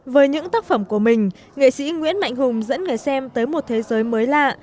với những tác phẩm của mình nghệ sĩ nguyễn mạnh hùng dẫn người xem tới một thế giới mới lạ